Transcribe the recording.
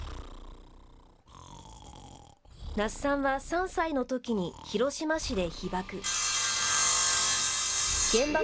那須さんは３歳のときに広島市で被爆。